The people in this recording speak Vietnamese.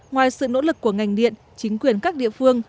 ngoài sự nỗ lực của ngành điện chính quyền các địa phương